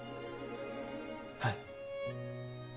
はい。